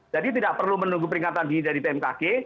jadi tidak perlu menunggu peringatan dini dari bmkg